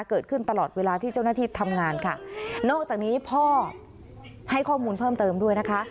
เกิดขึ้นตลอดเวลาที่เจ้าหน้าที่ทำงานค่ะนอกจากนี้พ่อให้ข้อมูลเพิ่มเติมด้วยนะคะ